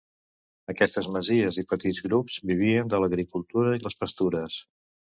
Aquestes masies i petits grups vivien de l'agricultura i les pastures.